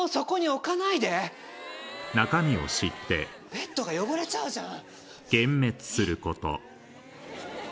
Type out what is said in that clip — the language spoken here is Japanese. ベッドが汚れちゃうじゃん！